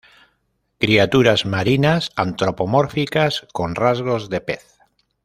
Criaturas marinas antropomórficas, con rasgos de pez.